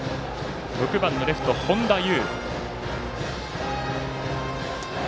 ６番のレフト、本多優。